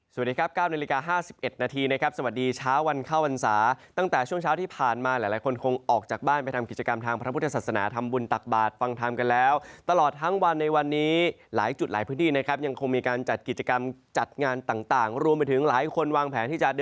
สวัสดีครับ๙นาฬิกา๕๑นาทีนะครับสวัสดีเช้าวันเข้าพรรษาตั้งแต่ช่วงเช้าที่ผ่านมาหลายคนคงออกจากบ้านไปทำกิจกรรมทางพระพุทธศาสนาทำบุญตักบาทฟังธรรมกันแล้วตลอดทั้งวันในวันนี้หลายจุดหลายพื้นที่นะครับยังคงมีการจัดกิจกรรมจัดงานต่างรวมไปถึงหลายคนวางแผนที่จะ